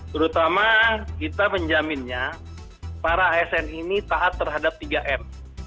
terutama kita menjaminnya para asn ini taat terhadap tiga m